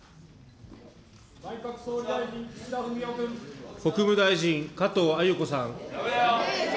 内閣総理大臣、国務大臣、加藤鮎子さん。